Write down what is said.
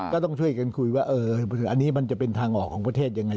ก็ต้องช่วยกันคุยว่าอันนี้มันจะเป็นทางออกของประเทศยังไง